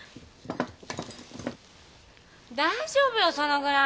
大丈夫よそのぐらい。